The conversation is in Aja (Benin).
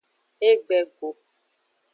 Egbe go.